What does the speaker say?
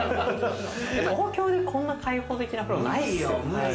東京でこんな開放的なお風呂ないですよね。